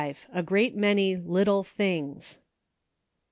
A GREAT MANY " LITTLE THINGS."